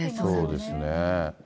そうですね。